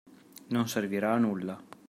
Non servirà a nulla;